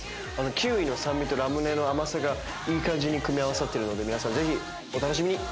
キウイの酸味とラムネの甘さがいい感じに組み合わさってるので皆さんぜひお楽しみに！